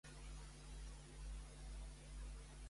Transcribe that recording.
La cartellera també estrena "Los miserables" de Ladj Ly.